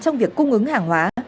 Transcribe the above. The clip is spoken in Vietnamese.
trong việc cung ứng hàng hóa